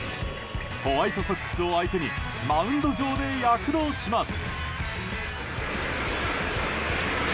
ホワイトソックスを相手にマウンド上で躍動します。